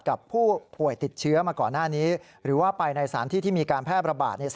กับผู้ป่วยติดเชื้อมาก่อนหน้านี้หรือว่าไปในสถานที่ที่มีการแพร่ประบาดเนี่ย